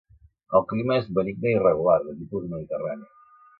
El clima és benigne i regular, de tipus mediterrani.